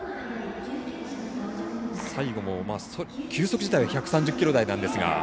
最後も球速自体は１３０キロ台なんですが。